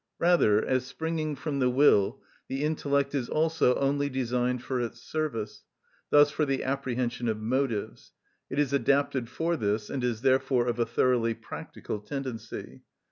Rather, as springing from the will, the intellect is also only designed for its service, thus for the apprehension of motives; it is adapted for this, and is therefore of a thoroughly practical tendency.